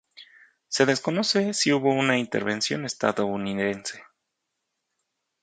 Se desconoce si hubo una intervención estadounidense.